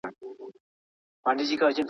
سافټویر انجنیري د محصلینو راتلونکی تضمینوي.